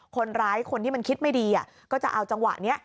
คนที่มันคิดไม่ดีก็จะเอาจังหวะนี้